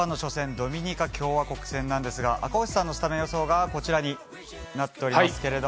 ドミニカ共和国戦なんですが赤星さんのスタメン予想がこちらになっていますけど。